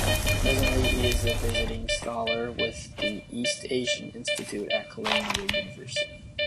Presently, he is a visiting scholar with the East Asian Institute at Columbia University.